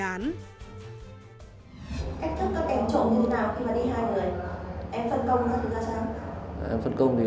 cách thức các kẻ trộm như thế nào khi mà đi hai người em phân công là làm sao